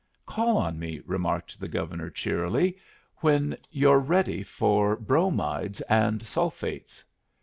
"Call on me," remarked the Governor, cheerily, "when you're ready for bromides and sulphates."